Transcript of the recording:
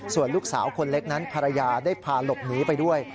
ส่วนลูกสาวคนเล็กนั้นภรรยาได้พาหลบหนีไปด้วย